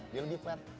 dia lebih flat